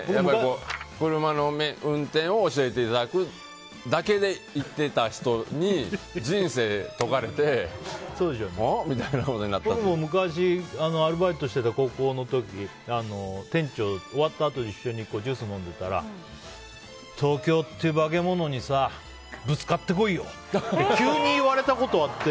車の運転を教えていただくだけで行ってた人に人生説かれて僕も昔アルバイトしてた高校の時店長と終わったあとにジュース飲んでたら東京っていう化け物にさぶつかってこいよ！って急に言われたことあって。